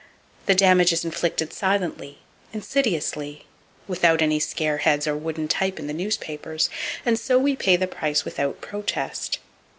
The damage is inflicted silently, insidiously, without any scare heads or wooden type in the newspapers, and so we pay the price without protest.